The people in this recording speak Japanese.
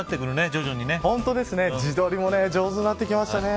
自撮りも上手になってきましたね。